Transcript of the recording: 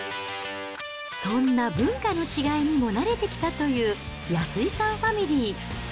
そんな文化の違いにも慣れてきたという安井さんファミリー。